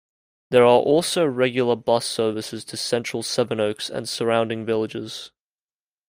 There are also regular bus services to central Sevenoaks and surrounding villages.